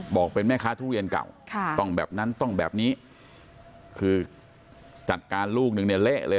บอกเป็นแม่ค้าทุเรียนเก่าต้องแบบนั้นต้องแบบนี้คือจัดการลูกนึงเนี่ยเละเลย